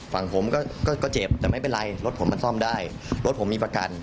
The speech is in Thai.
ฝั่งผมก็เจ็บแต่ไม่เป็นไรรถผมมันซ่อมได้รถผมมีประกัน